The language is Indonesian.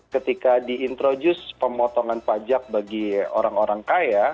ketika di introduce pemotongan pajak bagi orang orang kaya